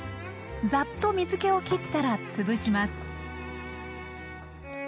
ざっと水けを切ったら潰します